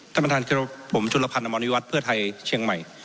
ท่านประทานผมจุลภัณฑ์อำนวณีวัฒน์เพื่อไทยเชียงใหม่